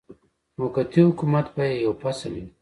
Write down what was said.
موقتي حکومت به یې یو فصل وي.